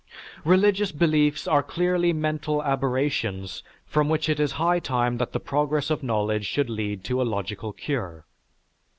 _") Religious beliefs are clearly mental aberrations from which it is high time that the progress of knowledge should lead to a logical cure.